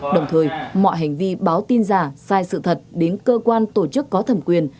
đồng thời mọi hành vi báo tin giả sai sự thật đến cơ quan tổ chức có thẩm quyền